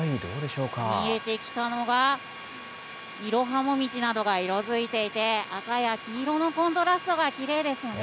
見えてきたのが、イロハモミジなどが色づいていて、赤や黄色のコントラストがきれいですよね。